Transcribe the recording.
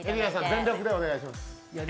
全力でお願いします。